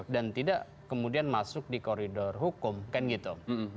dan tidak kemudian masuk di koridor hukum kan gitu